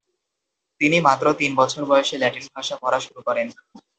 তিনি মাত্র তিন বছর বয়সে ল্যাটিন ভাষা পড়া শুরু করেন।